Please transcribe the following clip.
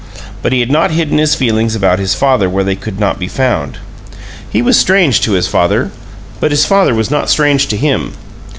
But he had not hidden his feelings about his father where they could not be found. He was strange to his father, but his father was not strange to him.